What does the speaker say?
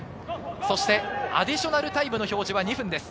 そしてアディショナルタイムの表示は２分です。